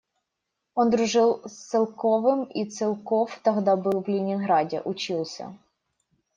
Он дружил с Целковым, и Целков тогда был в Ленинграде, учился.